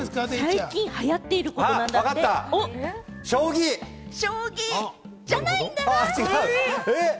最近、流行っていることなん将棋。じゃないんだな。